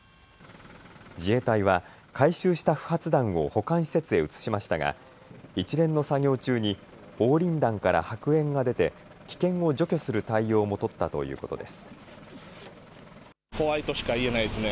自衛隊は回収した不発弾を保管施設へ移しましたが一連の作業中に黄リン弾から白煙が出て危険を除去する対応も取ったということです。